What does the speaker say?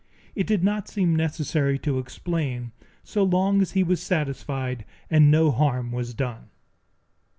It did not seem necessary to explain, so long as he was satisfied, and no harm was done.